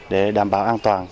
để đảm bảo an toàn